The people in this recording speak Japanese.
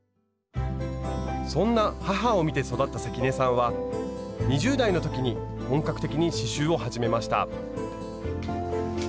そんな母を見て育った関根さんは２０代の時に本格的に刺しゅうを始めました。